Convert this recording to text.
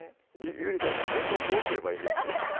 ゆりさんちなみにこれどうすればいいんですか？